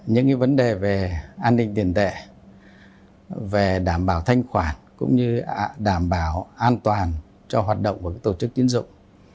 những vấn đề về an ninh tiền tệ đảm bảo thanh khoản đảm bảo an toàn cho hoạt động của tổ chức tiến dụng